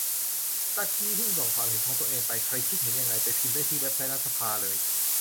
ตะกี้เพิ่งส่งความเห็นของตัวเองไป ใครคิดเห็นยังไง ไปพิมพ์ได้ที่เว็บไซต์รัฐสภาเลย